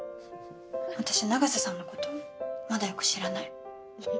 私、永瀬さんのことまだ、よく知らない。